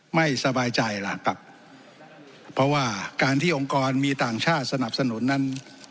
ไม่สบายใจล่ะครับเพราะว่าการที่องค์กรมีต่างชาติสนับสนุนนั้น